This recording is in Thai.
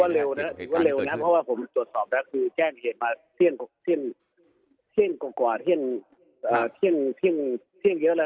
เร็วนะถือว่าเร็วนะเพราะว่าผมตรวจสอบแล้วคือแจ้งเหตุมาเที่ยงกว่าเที่ยงเยอะแล้ว